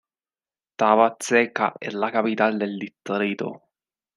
Thaba-Tseka es la capital del distrito.